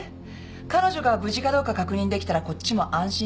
彼女が無事かどうか確認できたらこっちも安心して金を工面できる」